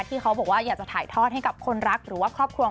ที่เขาบอกว่าอยากจะถ่ายทอดให้กับคนรักหรือว่าครอบครัว